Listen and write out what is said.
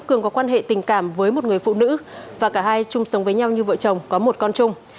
cường có quan hệ tình cảm với một người phụ nữ và cả hai chung sống với nhau như vợ chồng có một con chung